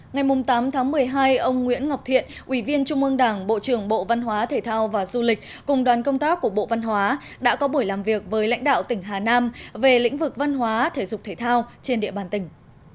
ngày tám tháng một mươi hai ông nguyễn ngọc thiện ủy viên trung ương đảng bộ trưởng bộ văn hóa thể thao và du lịch cùng đoàn công tác của bộ văn hóa đã có buổi làm việc với lãnh đạo tỉnh hà nam về lĩnh vực văn hóa thể dục thể thao trên địa bàn tỉnh